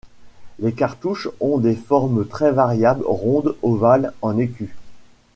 Les cartouches ont des formes très variables, rondes, ovales, en écu.